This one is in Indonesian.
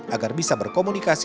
agar bisa berkomunikasi